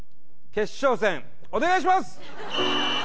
決勝戦お願いします